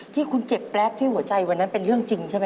ที่คุณเจ็บแป๊บที่หัวใจวันนั้นเป็นเรื่องจริงใช่ไหม